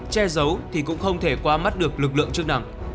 che giấu thì cũng không thể qua mắt được lực lượng trước nẳng